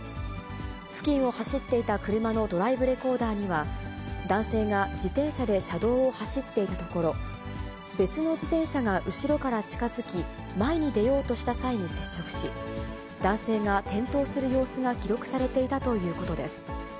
付近を走っていた車のドライブレコーダーには、男性が自転車で車道を走っていたところ、別の自転車が後ろから近づき、前に出ようとした際に接触し、男性が転倒する様子が記録されていたということです。